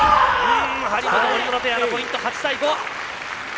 張本、森薗ペアのポイント８対５！